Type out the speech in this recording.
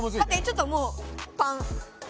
ちょっともうパン！